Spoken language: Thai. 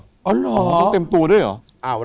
ต้องเต็มตัวด้วยหรอ